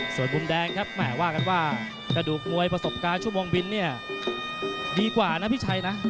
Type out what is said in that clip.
ส่วนมุมแดงครับแหมว่ากันว่ากระดูกมวยประสบการณ์ชั่วโมงบินเนี่ยดีกว่านะพี่ชัยนะ